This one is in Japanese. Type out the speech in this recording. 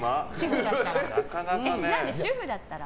主婦だったら。